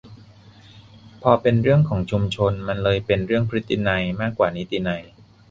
พอเป็นเรื่องของชุมชน มันเลยเป็นเรื่อง"พฤตินัย"มากกว่านิตินัย